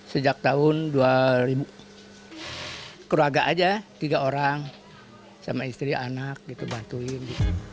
sejak tahun dua ribu keluarga aja tiga orang sama istri anak gitu bantuin